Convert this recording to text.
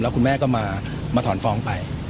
คุณแม่ก็มาถอนฟ้องไป